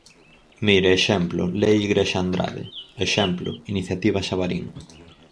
Mire, exemplo: Lei Igrexa Andrade; exemplo: iniciativa Xabarín.